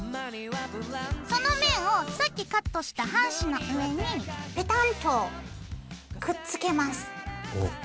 その面をさっきカットした半紙の上にぺたんとくっつけます。